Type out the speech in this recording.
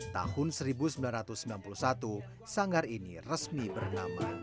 tahun seribu sembilan ratus sembilan puluh satu sanggar ini resmi bernama